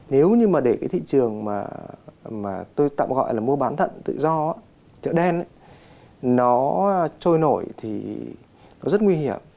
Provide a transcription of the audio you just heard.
nếu như để thị trường mà tôi tạm gọi là mua bán thận tự do chợ đen nó trôi nổi thì rất nguy hiểm